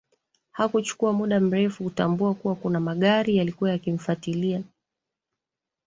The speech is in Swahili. Hakuchukua muda mrefu kutambua kuwa kuna magari yalikuwa yakimfatilia